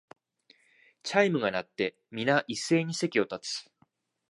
チャイムが鳴って、みな一斉に席を立つ